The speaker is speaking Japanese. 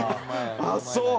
ああそう。